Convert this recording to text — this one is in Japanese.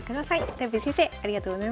とよぴー先生ありがとうございました。